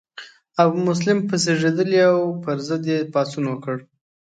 ابومسلم په زیږیدلی او د پر ضد یې پاڅون وکړ.